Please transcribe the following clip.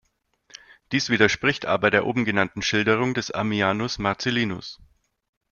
Dies widerspricht aber der oben genannten Schilderung des Ammianus Marcellinus.